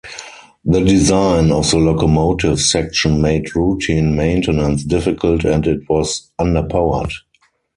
The design of the locomotive section made routine maintenance difficult and it was underpowered.